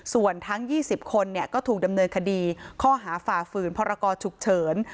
ส่วนทั้ง๒๐คนก็ถูกดำเนินคดีข้อหาฝ่าฝืนพรกรฉุกเฉิน